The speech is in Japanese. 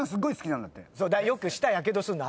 よく舌やけどすんの。